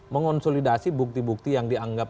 mengonsolidasi bukti bukti yang dianggap